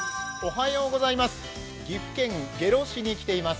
岐阜県下呂市に来ています。